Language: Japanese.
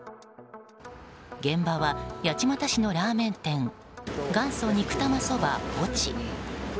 現場は八街市のラーメン店元祖肉玉そば越智。